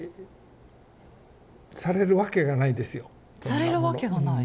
されるわけがない？